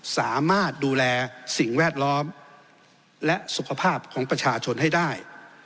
สามารถดูแลสิ่งแวดล้อมและสุขภาพของประชาชนให้ได้